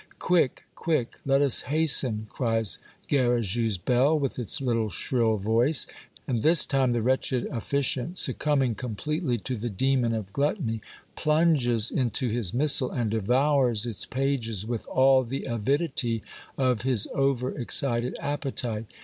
" Quick, quick, let us hasten," cries Garrigou's bell, with its little shrill voice ; and this time the wretched officiant, suc cumbing completely to the demon of gluttony, plunges into his missal, and devours its pages with all the avidity of his over excited appetite.